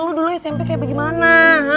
lu dulu smp kayak bagaimana